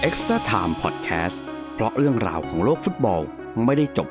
ครับผมยังไงลาไปก่อนครับสวัสดีครับ